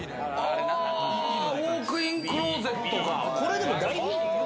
ウォークインクローゼットか。